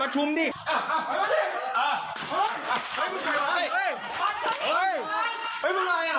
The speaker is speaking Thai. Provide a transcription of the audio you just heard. เฮ้ยมรึงอะไรอ่ะเฮ้ย